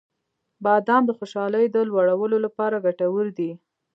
• بادام د خوشحالۍ د لوړولو لپاره ګټور دی.